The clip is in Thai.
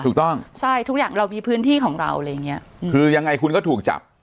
ถูกต้องใช่ทุกอย่างเรามีพื้นที่ของเราอะไรอย่างเงี้ยคือยังไงคุณก็ถูกจับ